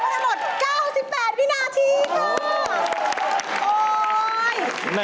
ใช้เวลาทั้งหมด๙๘วินาทีค่ะ